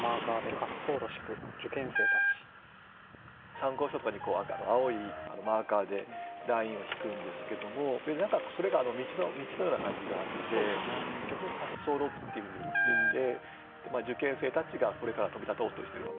参考書とかに青いマーカーでラインを引くんですけども何かそれが道のような感じがあってそれを「滑走路」っていうふうに言ってて受験生たちがこれから飛び立とうとしてるわけですよね。